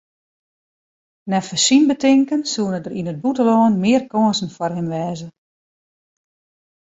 Neffens syn betinken soene der yn it bûtenlân mear kânsen foar him wêze.